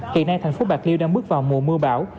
hiện nay thành phố bạc liêu đang bước vào mùa mưa bão